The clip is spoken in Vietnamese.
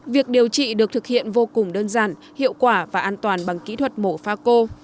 việc điều trị được thực hiện vô cùng đơn giản hiệu quả và an toàn bằng kỹ thuật mổ pha cô